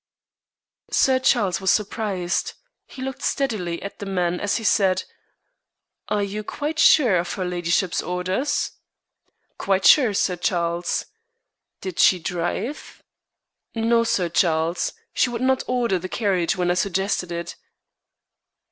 Sir Charles was surprised. He looked steadily at the man as he said: "Are you quite sure of her ladyship's orders?" "Quite sure, Sir Charles." "Did she drive?" "No, Sir Charles. She would not order the carriage when I suggested it."